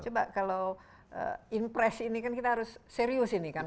coba kalau impress ini kan kita harus serius ini kan